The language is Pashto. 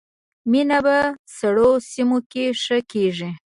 مڼه په سړو سیمو کې ښه کیږي